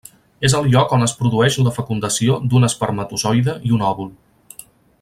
És el lloc on es produeix la fecundació d'un espermatozoide i un òvul.